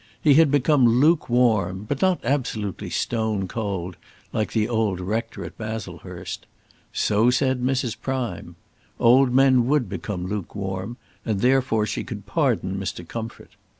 He had become lukewarm, but not absolutely stone cold, like the old rector at Baslehurst. So said Mrs. Prime. Old men would become lukewarm, and therefore she could pardon Mr. Comfort.